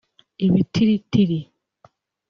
ibitiritiri